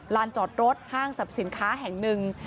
จอดรถห้างสรรพสินค้าแห่งหนึ่ง